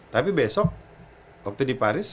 tapi besok waktu di paris